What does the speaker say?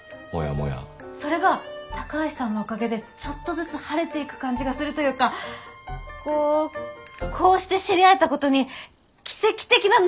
それが高橋さんのおかげでちょっとずつ晴れていく感じがするというかこうこうして知り合えたことに奇跡的な何かを感じてるといいますか。